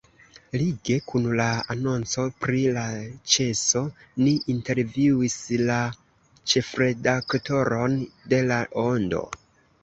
Lige kun la anonco pri la ĉeso ni intervjuis la ĉefredaktoron de La Ondo.